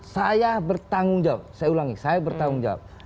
saya bertanggung jawab saya ulangi saya bertanggung jawab